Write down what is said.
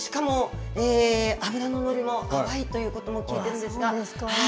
小ぶりで、しかも脂の乗りもということも聞いているんですが。